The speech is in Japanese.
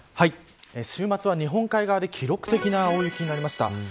週末は日本海側で記録的な大雪になりました。